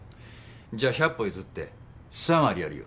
じゃあ百歩譲って３割やるよ。